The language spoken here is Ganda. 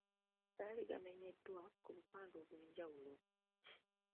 Gaali gamenyeddwa ku bupande obw’enjawulo.